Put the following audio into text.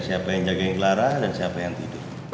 siapa yang jagain gelara dan siapa yang tidur